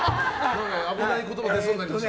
危ない言葉が出そうになりました。